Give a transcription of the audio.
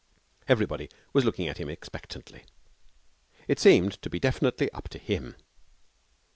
Everybody was looking at him expectantly. It seemed to be definitely up to him.